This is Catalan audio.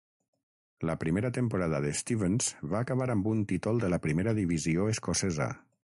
La primera temporada de Stevens va acabar amb un títol de la primera divisió escocesa.